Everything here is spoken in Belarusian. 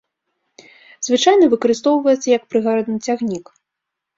Звычайна выкарыстоўваецца як прыгарадны цягнік.